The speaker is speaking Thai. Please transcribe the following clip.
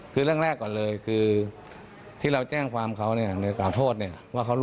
เขาบอกไม่เป็นความจริงเลยค่ะ